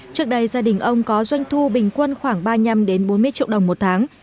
trước đây gia đình ông có doanh thu bình quân khoảng ba năm trăm linh đến bốn mươi triệu đồng một tháng